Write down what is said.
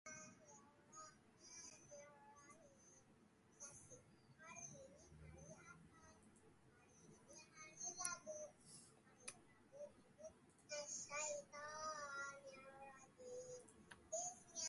Being well prepared, he passed his exams successfully.